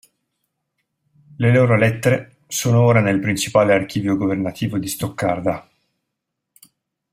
Le loro lettere sono ora nel principale archivio governativo di Stoccarda.